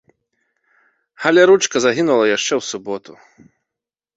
Але ручка загінула яшчэ ў суботу.